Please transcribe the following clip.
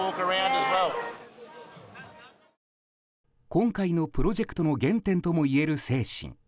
今回のプロジェクトの原点ともいえる精神。